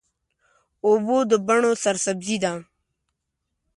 اوبه د بڼو سرسبزي ده.